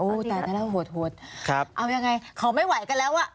โอ้ตายแล้วหัวหัวครับเอายังไงเขาไม่ไหวกันแล้วอ่ะ